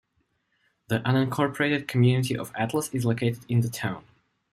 The unincorporated community of Atlas is located in the town.